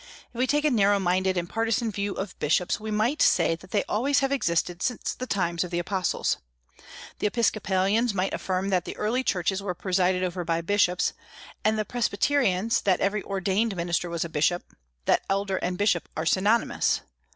If we take a narrow minded and partisan view of bishops, we might say that they always have existed since the times of the apostles; the Episcopalians might affirm that the early churches were presided over by bishops, and the Presbyterians that every ordained minister was a bishop, that elder and bishop are synonymous.